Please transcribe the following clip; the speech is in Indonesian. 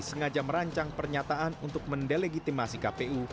sengaja merancang pernyataan untuk mendelegitimasi kpu